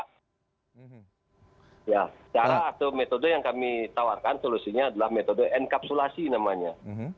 ya cara atau metode yang kami tawarkan solusinya adalah metode encapsulasi namanya